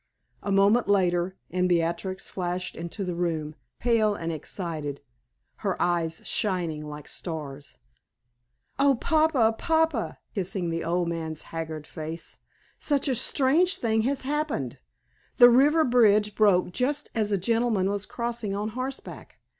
A moment later and Beatrix flashed into the room, pale and excited, her eyes shining like stars. "Oh, papa! papa!" kissing the old man's haggard face. "Such a strange thing has happened! The river bridge broke just as a gentleman was crossing on horseback.